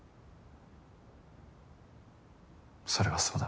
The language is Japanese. それはそうだ。